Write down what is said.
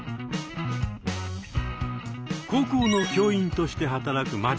高校の教員として働く間地さん。